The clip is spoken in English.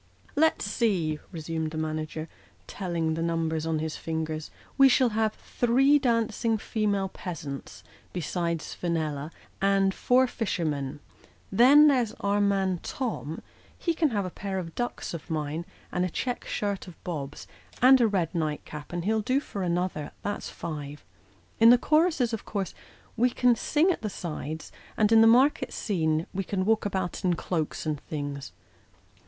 " Let's see," resumed the manager, telling the number on his fingers, " we shall have three dancing female peasants, besides Fenella, and four fishermen. Then, there's our man Tom ; he can have a pair of ducks ? of mine, and a check shirt of Bob's, and a rod night cap, and he'll do for another that's five. In the choruses, of course, we can sing at the sides ; and in the market scene we can walk about in cloaks and things.